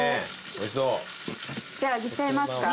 じゃあ上げちゃいますか。